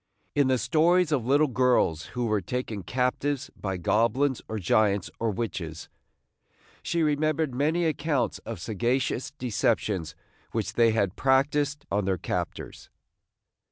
In the stories of little girls who were taken captives by goblins or giants or witches, she remembered many accounts of sagacious deceptions which they had practised on their captors.